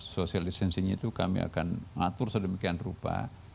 social distancing itu kami akan atur sedemikian rupa